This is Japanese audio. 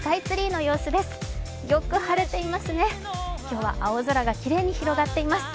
よく晴れていますね、今日は青空がきれいに広がっています。